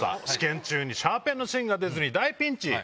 試験中にシャーペンの芯が出ずに大ピンチ。